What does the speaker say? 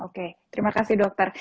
oke terima kasih dokter